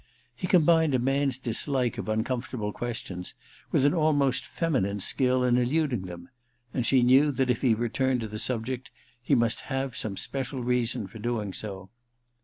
He combined a man's dislike of uncomfortable questions with an almost feminine skill in elud ing them ; and she knew that if he returned to the subject he must have some special reason for doing so.